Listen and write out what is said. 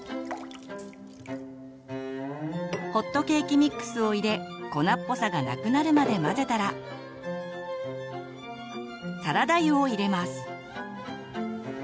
ホットケーキミックスを入れ粉っぽさがなくなるまで混ぜたらサラダ油を入れます。